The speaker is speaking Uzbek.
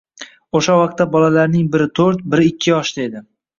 Oʻsha vaqtda bolalarning biri toʻrt, biri ikki yoshda edi